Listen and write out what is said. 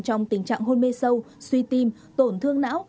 trong tình trạng hôn mê sâu suy tim tổn thương não